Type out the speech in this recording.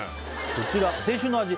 こちら「青春の味」